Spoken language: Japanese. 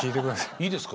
いいですか？